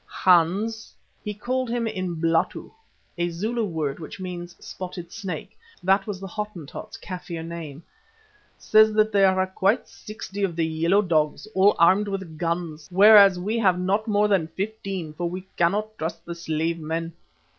Hans" (he called him Inblatu, a Zulu word which means Spotted Snake, that was the Hottentot's Kaffir name) "says that there are quite sixty of the yellow dogs, all armed with guns, whereas we have not more than fifteen, for we cannot trust the slave men.